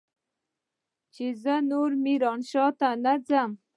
چې زه نور ميرانشاه ته نه ځم.